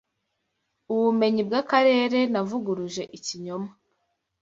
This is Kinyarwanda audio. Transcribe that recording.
ubumenyi bw’akarere navuguruje ikinyoma